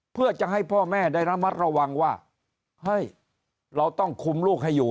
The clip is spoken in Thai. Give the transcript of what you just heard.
เพื่อจะให้พ่อแม่ได้ระมัดระวังว่าเฮ้ยเราต้องคุมลูกให้อยู่